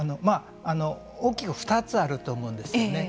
大きく２つあると思うんですね。